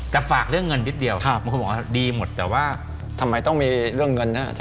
แต่ฝากเรื่องเงินนิดเดียวบางคนบอกว่าดีหมดแต่ว่าทำไมต้องมีเรื่องเงิน